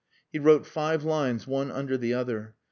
He wrote five lines one under the other.